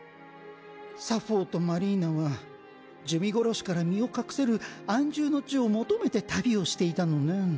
サフォーとマリーナは珠魅殺しから身を隠せる安住の地を求めて旅をしていたのねん。